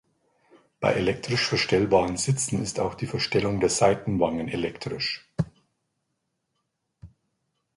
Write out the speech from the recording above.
Bei elektrisch verstellbaren Sitzen ist auch die Verstellung der Seitenwangen elektrisch.